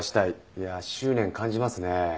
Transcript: いやあ執念感じますね。